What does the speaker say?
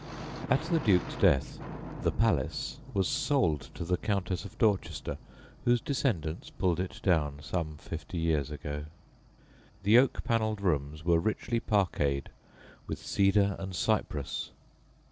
At the Duke's death "the palace" was sold to the Countess of Dorchester, whose descendants pulled it down some fifty years ago. The oak panelled rooms were richly parquetted with "cedar and cyprus."